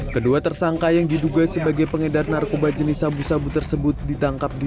kedua tersangka yang diduga sebagai pengedar narkoba jenis sabu sabu tersebut ditangkap di